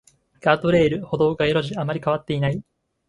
ガードレール、歩道、街路樹、あまり変わっていない